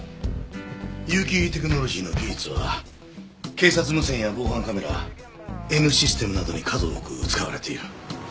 結城テクノロジーの技術は警察無線や防犯カメラＮシステムなどに数多く使われている。